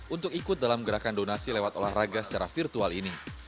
untuk ikut dalam gerakan donasi lewat olahraga secara virtual ini